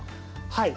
はい。